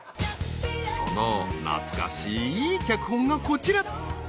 ［その懐かしい脚本がこちら］